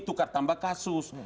tukar tambah kasus